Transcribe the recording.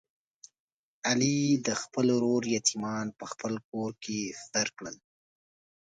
علي د خپل ورور یتیمان په خپل کوت کې ستر کړل.